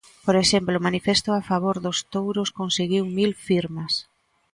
Por exemplo, o manifesto a favor dos touros conseguiu mil firmas.